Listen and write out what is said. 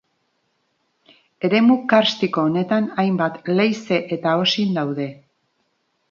Eremu karstiko honetan hainbat leize eta osin daude.